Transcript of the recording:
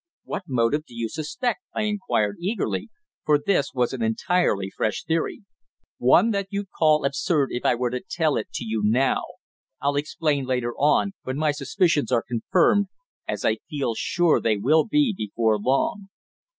"What motive do you suspect?" I inquired, eagerly, for this was an entirely fresh theory. "One that you'd call absurd if I were to tell it to you now. I'll explain later on, when my suspicions are confirmed as I feel sure they will be before long."